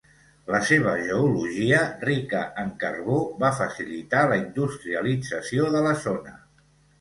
La seva geologia, rica en carbó, va facilitar la industrialització de la zona.